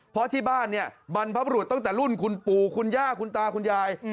เพราะที่บ้านเนี่ยบรรพบรุษตั้งแต่รุ่นคุณปู่คุณย่าคุณตาคุณยาย